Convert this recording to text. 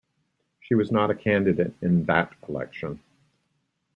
She was not a candidate in that election.